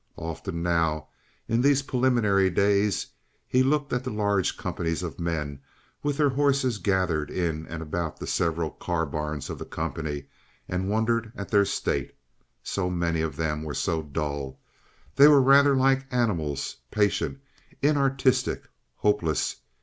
Often now, in these preliminary days, he looked at the large companies of men with their horses gathered in and about the several carbarns of the company, and wondered at their state. So many of them were so dull. They were rather like animals, patient, inartistic, hopeless.